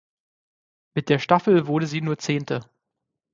Mit der Staffel wurde sie nur Zehnte.